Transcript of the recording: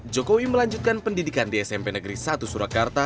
jokowi melanjutkan pendidikan di smp negeri satu surakarta